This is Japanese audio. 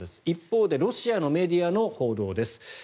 一方でロシアのメディアの報道です。